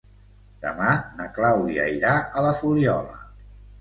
Demà na Clàudia irà a la Fuliola.